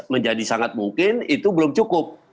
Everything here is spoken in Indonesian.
menjadi sangat mungkin itu belum cukup